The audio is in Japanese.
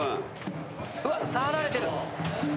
うわ触られてる。